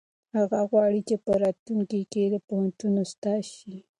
هغه غواړي چې په راتلونکي کې د پوهنتون استاد شي.